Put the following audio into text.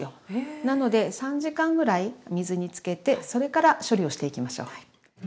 なので３時間ぐらい水につけてそれから処理をしていきましょう。